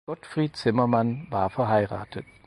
Gottfried Zimmermann war verheiratet.